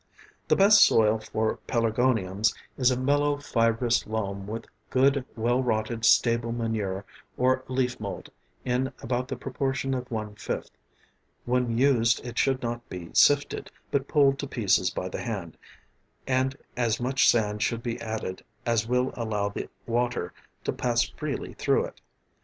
The best soil for pelargoniums is a mellow fibrous loam with good well rotted stable manure or leaf mould in about the proportion of one fifth; when used it should not be sifted, but pulled to pieces by the hand, and as much sand should be added as will allow the water to pass freely through it.